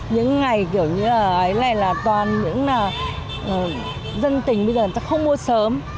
những ngày kiểu như là ấy này là toàn những là dân tình bây giờ người ta không mua sớm